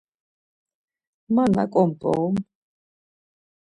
Ma naǩo mp̌orom?